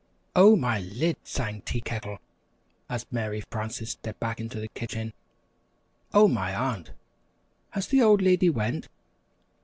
"Oh, my lid!" sang Tea Kettle, as Mary Frances stepped back into the kitchen. "Oh, my aunt! has the old lady went?"